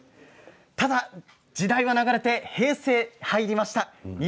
ただ、時代は流れて平成に入りました。